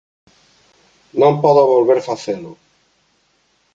Non podo volver facelo.